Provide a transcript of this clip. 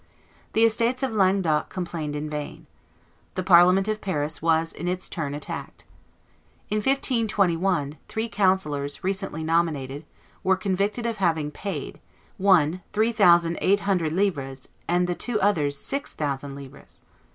The estates of Languedoc complained in vain. The Parliament of Paris was in its turn attacked. In 1521, three councillors, recently nominated, were convicted of having paid, one three thousand eight hundred livres, and the two others six thousand livres.